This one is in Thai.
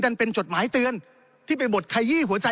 ก็เป็นจดหมายเตือนที่เป็นบทขยี้หัวใจ